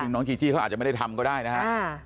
น้องจีจี้เขาอาจจะไม่ได้ทำก็ได้นะครับ